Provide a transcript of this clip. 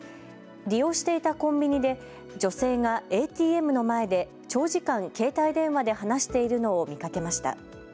利用していたコンビニで女性がＡＴＭの前で長時間、携帯電話で話しているのを見かけました。